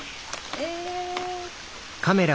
え。